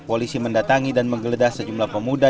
polisi mendatangi dan menggeledah sejumlah pemuda